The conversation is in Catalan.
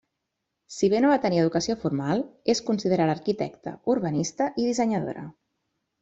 Si bé no va tenir educació formal, és considerada arquitecta, urbanista i dissenyadora.